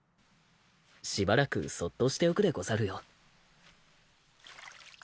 しばらくそっとしておくでござるよ。